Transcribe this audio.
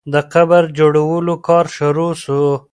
د قبر جوړولو کار شروع سو.